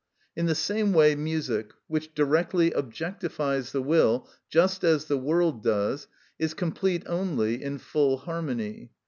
In the same way music, which directly objectifies the will, just as the world does, is complete only in full harmony.